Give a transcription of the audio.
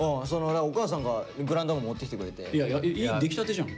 お母さんがグラウンドまで持って来てくれて。出来たてじゃん。